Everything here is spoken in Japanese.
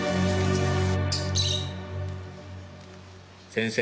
先生。